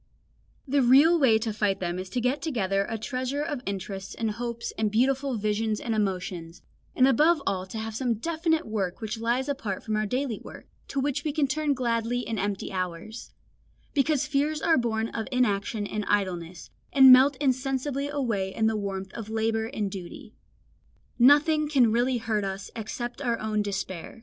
The real way to fight them is to get together a treasure of interests and hopes and beautiful visions and emotions, and above all to have some definite work which lies apart from our daily work, to which we can turn gladly in empty hours; because fears are born of inaction and idleness, and melt insensibly away in the warmth of labour and duty. Nothing can really hurt us except our own despair.